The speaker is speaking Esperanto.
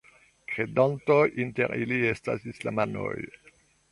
Kredantoj inter ili estas islamanoj.